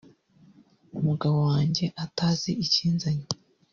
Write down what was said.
umugabo wanjye atazi ikinzanye